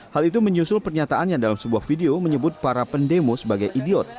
hal itu menyusul pernyataannya dalam sebuah video menyebut para pendemo sebagai idiot